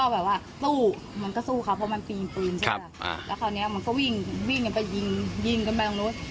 แล้วตอนนี้มันก็วิ่งกันไปยิงยิงกันไปตรงนู้น